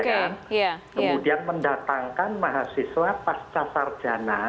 kemudian mendatangkan mahasiswa pasca sarjana